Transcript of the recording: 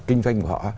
kinh doanh của họ